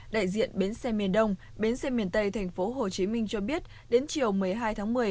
đại diện bến xe miền đông bến xe miền tây tp hcm cho biết đến chiều một mươi hai tháng một mươi